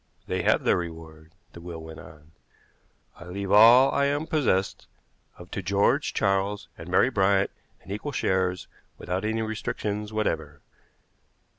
"They have their reward," the will went on. "I leave all I am possessed of to George, Charles, and Mary Bryant in equal shares, without any restrictions whatever.